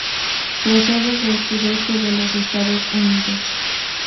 Procede del sudeste de los Estados Unidos.